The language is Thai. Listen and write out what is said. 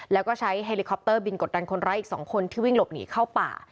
แล้วก็ใช้เฮลิคอปเตอร์บินกดดันคนร้ายอีก๒คนที่วิ่งหลบหนีเข้าป่า